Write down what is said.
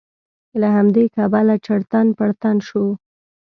له همدې کبله چړتن پړتن شو.